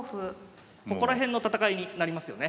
ここら辺の戦いになりますよね。